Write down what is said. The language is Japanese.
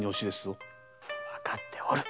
わかっておる。